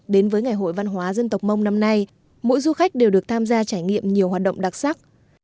đến với ngày hội văn hóa dân tộc mông năm nay mỗi du khách đều được tham gia trải nghiệm nhiều hoạt động đặc sắc